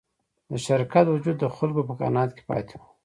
د شرکت وجود د خلکو په قناعت کې پاتې و.